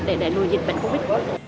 để đẩy đùi dịch bệnh covid